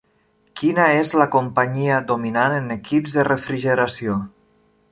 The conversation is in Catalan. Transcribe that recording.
Quina és la companyia dominant en equips de refrigeració?